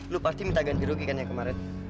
lo pasti minta ganti rugi kan yang kemarin